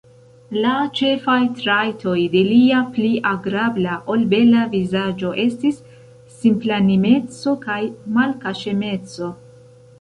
La ĉefaj trajtoj de lia pli agrabla, ol bela vizaĝo estis simplanimeco kaj malkaŝemeco.